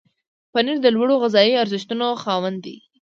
پنېر د لوړو غذایي ارزښتونو خاوند دی.